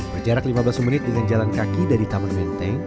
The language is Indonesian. berjarak lima belas menit dengan jalan kaki dari taman menteng